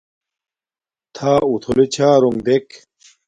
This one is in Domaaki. تھݳ اتھُلݺ چھݳرݸݣ دݵک.